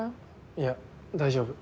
いや大丈夫。